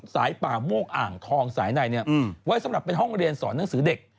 สายป่าโมกอ่างทองสายในไว้สำหรับเป็นห้องเรียนสอนหนังสือเด็ก